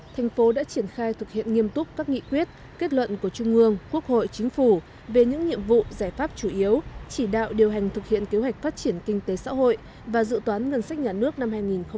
thành phố đã triển khai thực hiện nghiêm túc các nghị quyết kết luận của trung ương quốc hội chính phủ về những nhiệm vụ giải pháp chủ yếu chỉ đạo điều hành thực hiện kế hoạch phát triển kinh tế xã hội và dự toán ngân sách nhà nước năm hai nghìn hai mươi